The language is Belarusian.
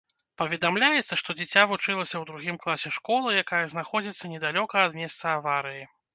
Паведамляецца, што дзіця вучылася ў другім класе школы, якая знаходзіцца недалёка ад месца аварыі.